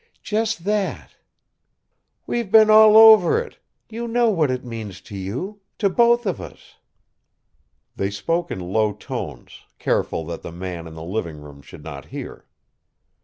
"Just that." "We've been all over it! You know what it means to you to both of us." They spoke in low tones, careful that the man in the living room should not hear.